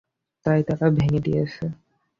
তাই তারা ভেঙে দিয়েছে।